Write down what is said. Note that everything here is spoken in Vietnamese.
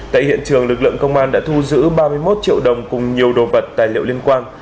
tại hiện trường lực lượng công an đã thu giữ ba mươi một triệu đồng cùng nhiều đồ vật tài liệu liên quan